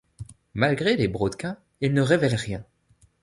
Malgré les brodequins, il ne révèle rien.